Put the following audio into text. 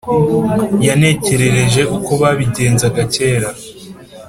yantekerereje uko babigenzaga cyera.